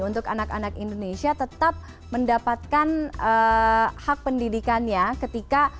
untuk anak anak indonesia tetap mendapatkan hak pendidikannya ketika